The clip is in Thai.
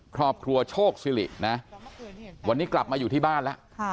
ครอบครัวโชคสิรินะวันนี้กลับมาอยู่ที่บ้านแล้ว